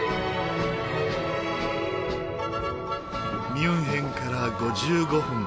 ミュンヘンから５５分。